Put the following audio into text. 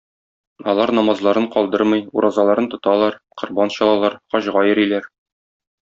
Алар намазларын калдырмый, уразаларын тоталар, корбан чалалар, хаҗга йөриләр.